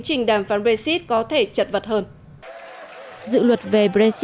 trình đàm phán brexit có thể chật vật hơn ngoại truyền thống của quốc hội anh thủ tướng theresa may